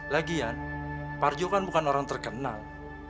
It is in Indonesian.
lagian parjo kan bukan orang terkenal